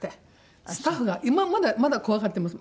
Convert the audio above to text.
スタッフが今まだ怖がってます。